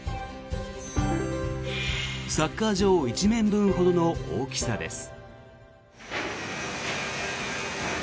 サッカー場１面分ほどの大きさです。